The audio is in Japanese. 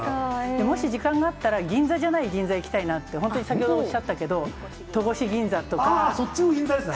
もし時間があったら、銀座じゃない銀座行きたいなって、本当に、先ほどおっしゃったけど、そっちの銀座ですね。